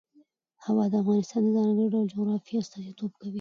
هوا د افغانستان د ځانګړي ډول جغرافیه استازیتوب کوي.